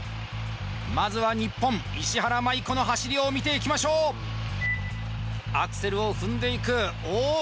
まずは日本石原麻衣子の走りを見ていきましょうアクセルを踏んでいくおおっ